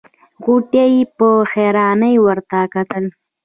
غوټۍ په حيرانۍ ورته کتل.